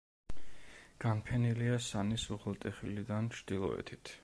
განფენილია სანის უღელტეხილიდან ჩრდილოეთით.